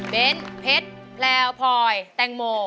เน้นเพชรแพลวพลอยแตงโม